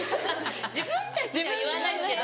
自分たちは言わないですけど。